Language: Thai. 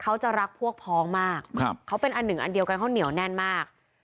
เขาจะรักพวกพ้องมากเขาเป็นอันหนึ่งอันเดียวกันเขาเหนียวแน่นมาก